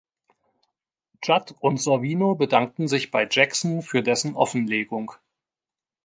Judd und Sorvino bedankten sich bei Jackson für dessen Offenlegung.